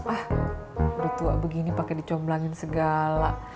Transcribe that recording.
ah udah tua begini pakai dicomblangin segala